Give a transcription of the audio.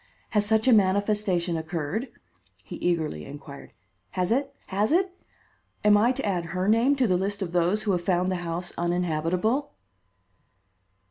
Has such a manifestation occurred?" he eagerly inquired. "Has it? has it? Am I to add her name to the list of those who have found the house uninhabitable?"